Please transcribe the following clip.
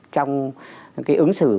trong cái ứng xử